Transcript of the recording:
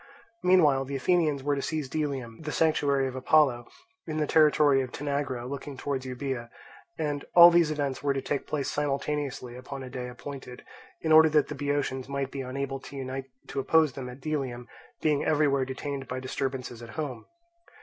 Meanwhile the Athenians were to seize Delium, the sanctuary of Apollo, in the territory of Tanagra looking towards Euboea; and all these events were to take place simultaneously upon a day appointed, in order that the Boeotians might be unable to unite to oppose them at Delium, being everywhere detained by disturbances at home.